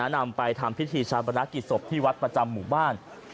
นำไปทำพิธีชาปนกิจศพที่วัดประจำหมู่บ้าน